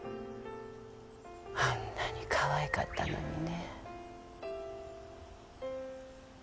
あんなにかわいかったのにね